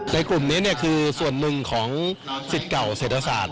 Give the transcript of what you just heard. ในกลุ่มนี้คือส่วนหนึ่งของสิทธิ์เก่าเศรษฐศาสตร์ธรรมศาสตร์นะครับ